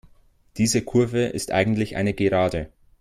Diese Kurve ist eigentlich eine Gerade.